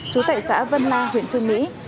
chú tại xã vân la huyện trương mỹ